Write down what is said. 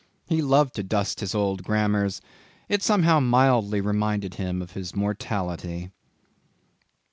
He loved to dust his old grammars; it somehow mildly reminded him of his mortality.